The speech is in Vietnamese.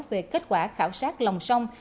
về kết quả khảo sát lòng sông